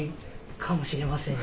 かもしれませんね。